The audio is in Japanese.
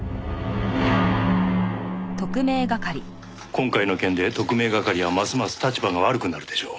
今回の件で特命係はますます立場が悪くなるでしょう。